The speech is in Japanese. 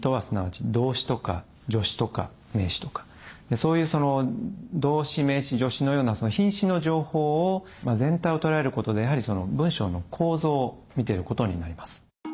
そういう動詞名詞助詞のような品詞の情報を全体を捉えることでやはり文章の構造を見てることになります。